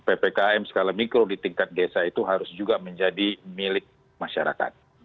ppkm skala mikro di tingkat desa itu harus juga menjadi milik masyarakat